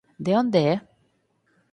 De onde é?